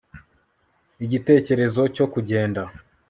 igitekerezo cyo kugenda